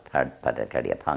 harus melakukan peralatan